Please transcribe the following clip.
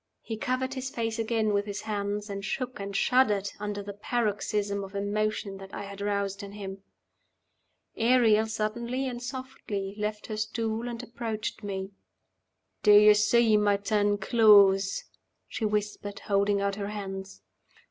He covered his face again with his hands, and shook and shuddered under the paroxysm of emotion that I had roused in him. Ariel suddenly and softly left her stool, and approached me. "Do you see my ten claws?" she whispered, holding out her hands.